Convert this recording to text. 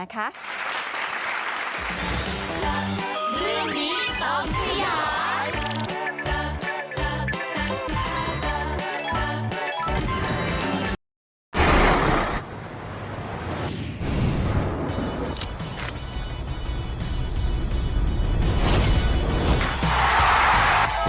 การเลือกตัว